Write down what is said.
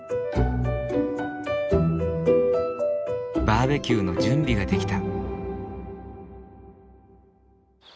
バーベキューの準備ができた。